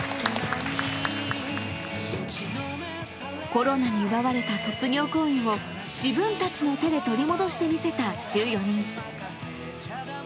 コロナに奪われた卒業公演を、自分たちの手で取り戻して見せた１４人。